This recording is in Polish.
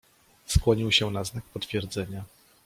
"Skłonił się na znak potwierdzenia."